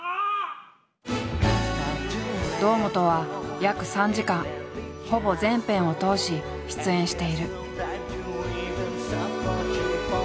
堂本は約３時間ほぼ全編を通し出演している。